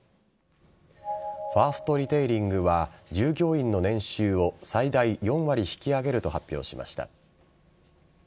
ファーストリテイリングは従業員の年収を最大４割引き上げると発表しました。